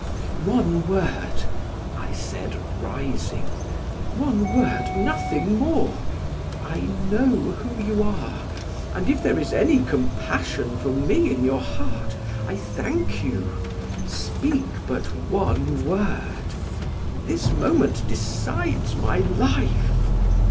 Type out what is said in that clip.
"One word," I said, rising, "one word, nothing more. I know who you are, and, if there is any compassion for me in your heart, I thank you; speak but one word, this moment decides my life."